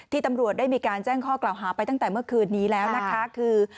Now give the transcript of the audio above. ตำรวจได้มีการแจ้งข้อกล่าวหาไปตั้งแต่เมื่อคืนนี้แล้วนะคะคือ